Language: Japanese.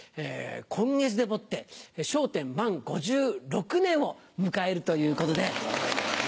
今月でもって『笑点』満５６年を迎えるということで。